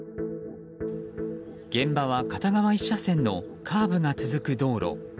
現場は片側１車線のカーブが続く道路。